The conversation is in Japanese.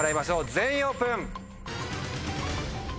全員オープン。